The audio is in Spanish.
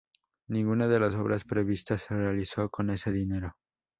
Ninguna de las obras previstas se realizó con ese dinero.